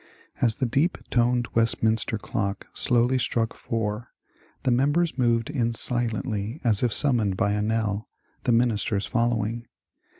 As the deep toned Westminster clock slowly struck four, the members moved in silently as if sum moned by a knell, the ministers following.